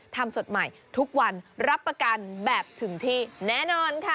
ทำสดใหม่ทุกวันรับประกันแบบถึงที่แน่นอนค่ะ